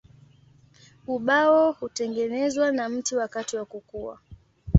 Ubao hutengenezwa na mti wakati wa kukua.